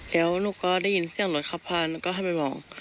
แล้วลูกก็ได้ยินเสียงรถขับผ่านก็ให้ไปมอง